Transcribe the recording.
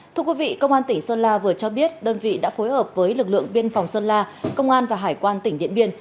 thưa quý vị công an tỉnh sơn la vừa cho biết đơn vị đã phối hợp với lực lượng biên phòng sơn la công an và hải quan tỉnh điện biên